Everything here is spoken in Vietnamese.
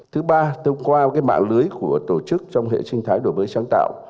thứ ba thông qua mạng lưới của tổ chức trong hệ sinh thái đổi mới sáng tạo